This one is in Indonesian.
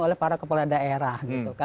oleh para kepala daerah